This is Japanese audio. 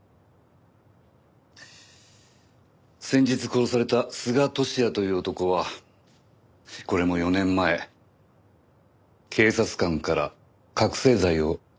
先日殺された須賀都志也という男はこれも４年前警察官から覚醒剤を買い取った売人でした。